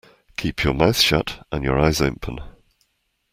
Keep your mouth shut and your eyes open.